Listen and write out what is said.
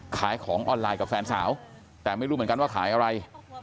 ขายของออนไลน์กับแฟนสาวแต่ไม่รู้เหมือนกันว่าขายอะไร